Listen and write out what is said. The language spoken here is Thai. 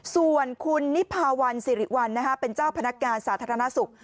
ส่วนคุณนิพาวันสิริวัลเป็นเจ้าพนักงานสาธารณสุข